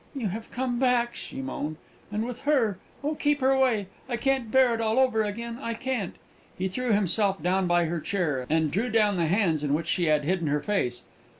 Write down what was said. "You have come back!" she moaned, "and with her! Oh, keep her away!... I can't bear it all over again!... I can't!" He threw himself down by her chair, and drew down the hands in which she had hidden her face.